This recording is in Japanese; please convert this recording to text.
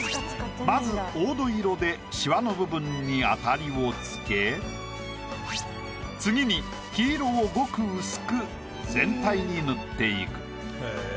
まず黄土色でシワの部分にアタリを付け次に黄色を極薄く全体に塗っていく。